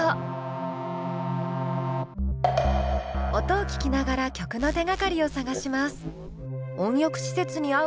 音を聴きながら曲の手がかりを探します。